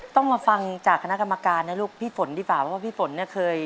ต้องมาฟังจากคณะกรรมการนะลูกพี่ฝนดีกว่าเพราะว่าพี่ฝนเนี่ยเคย